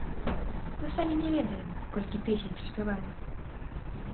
Мы самі не ведаем, колькі песень праспяваем.